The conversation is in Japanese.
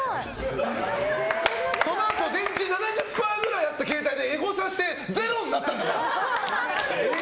そのあと電池７０％くらいあった携帯でエゴサして、ゼロになったから。